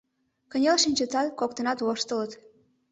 Кынел шинчытат, коктынат воштылыт.